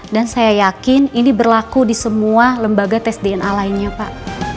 dan saya yakin ini berlaku di semua lembaga tes dna lainnya pak